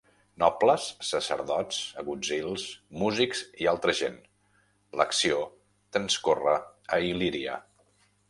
Nobles, sacerdots, agutzils, músics i altra gent. L’acció transcorre a Il·líria.